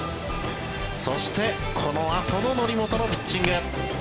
そして、このあとの則本のピッチング。